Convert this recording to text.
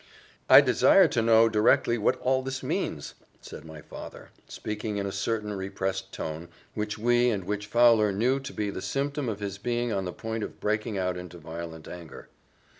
"I desire to know, directly, what all this means?" said my father, speaking in a certain repressed tone, which we and which Fowler knew to be the symptom of his being on the point of breaking out into violent anger.